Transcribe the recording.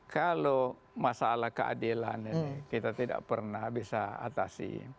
kalau masalah keadilan ini kita tidak pernah bisa atasi